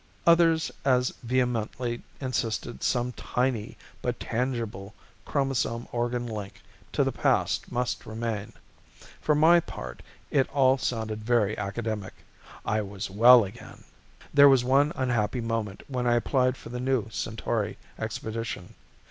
Others as vehemently insisted some tiny but tangible chromosome organ link to the past must remain. For my part it all sounded very academic; I was well again. There was one unhappy moment when I applied for the new Centauri Expedition.